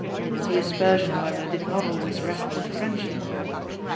The aspersion however did not always rest with Frenchmen.